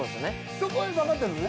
そこは分かってんのね？